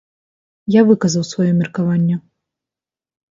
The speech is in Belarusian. Я выказаў сваё меркаванне.